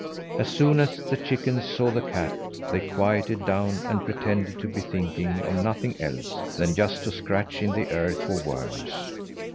As soon as the chickens saw the cat, they quieted down and pretended to be thinking of nothing else than just to scratch in the earth for worms.